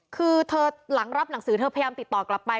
คือเธอหลังรับหนังสือเธอพยายามติดต่อกลับไป